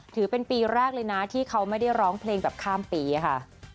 ถือเป็นปีแรกเลยนะที่เขาไม่ได้ร้องเพลงแบบข้ามปีค่ะ